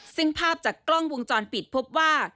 ซึ่งภาพจากกล้องวงจรปิดพบว่า